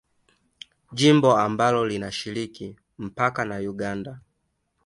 Jimbo ambalo linashiriki mpaka na Uganda